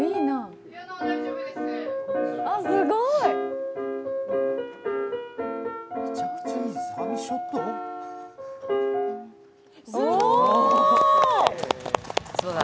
すごいな。